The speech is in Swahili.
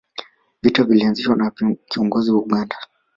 vita vilianzishwa na kiongozin wa uganda